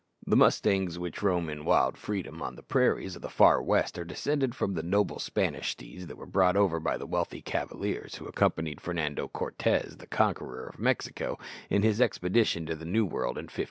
The mustangs which roam in wild freedom on the prairies of the far west are descended from the noble Spanish steeds that were brought over by the wealthy cavaliers who accompanied Fernando Cortez, the conqueror of Mexico, in his expedition to the New World in 1518.